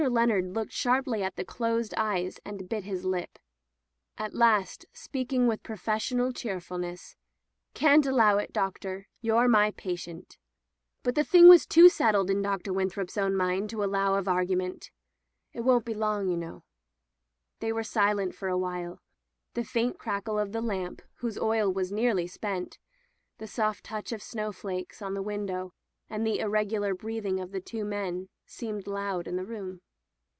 Leonard looked sharply at the closed eyes and bit his lip. At last, speaking with professional cheerfulness, 'Xan't allow it, Doctor. You're my patient." But the thing was too settled in Dr. Win^ throp's own mind to allow of argument. It won't be long, you know." They were silent for a while. The faint crackle of the lamp, whose oil was nearly spent; the soft touch of snowflakes on the [ 402 ] Digitized by LjOOQ IC At Ephesus window, and the irregular breathing of the two men, seemed loud in the room.